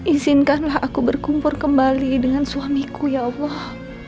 izinkanlah aku berkumpul kembali dengan suamiku ya allah